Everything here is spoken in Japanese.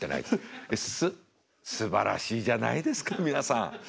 で「すすばらしいじゃないですか皆さん。